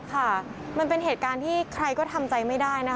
ค่ะมันเป็นเหตุการณ์ที่ใครก็ทำใจไม่ได้นะคะ